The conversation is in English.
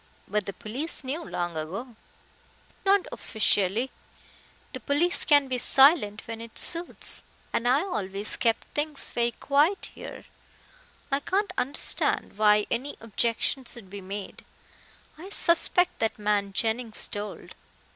"But the police knew long ago." "Not officially. The police can be silent when it suits. And I always kept things very quiet here. I can't understand why any objection should be made. I suspect that man Jennings told."